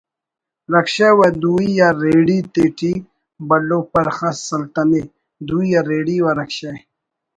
رکشہ و دوئی آ ریڑی تیٹی بھلو پرخ اس سلتنے دوئی آ ریڑی و رکشہ